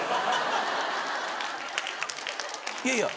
いやいや！